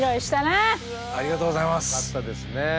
よかったですね。